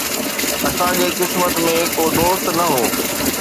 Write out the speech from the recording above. اسان جي قسمت ۾ ڪو دوست نه هو